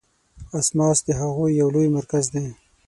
اسماس د هغوی یو لوی مرکز دی.